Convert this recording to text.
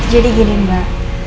jadi gini mbak